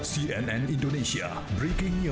cnn indonesia breaking news